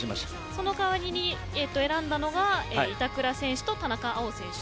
その代わりに選んだのが板倉選手と田中碧選手